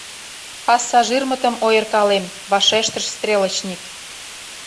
— Пассажирмытым ойыркалем, — вашештыш стрелочник.